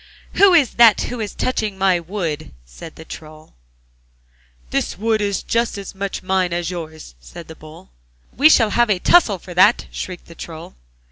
'Who is that who is touching my wood?' said the Troll. 'The wood is just as much mine as yours!' said the Bull. 'We shall have a tussle for that!' shrieked the Troll.